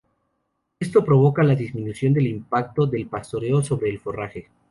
Esto provoca la disminución del impacto del pastoreo sobre el forraje.